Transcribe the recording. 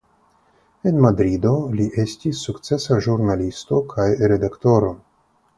En Madrido li estis sukcesa ĵurnalisto kaj redaktoro.